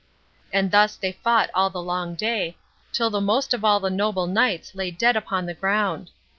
And thus they fought all the long day, till the most of all the noble knights lay dead upon the ground.